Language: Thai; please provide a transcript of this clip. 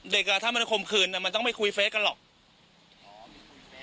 เด็กอ่ะถ้ามันคมคืนอ่ะมันต้องไม่คุยเฟสกันหรอกอ๋อไม่คุยเฟสด้วยน่ะ